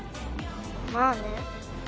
まあね。